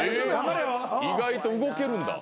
意外と動けるんだ。